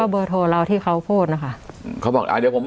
เบอร์โทรเราที่เขาพูดนะคะเขาบอกอ่าเดี๋ยวผม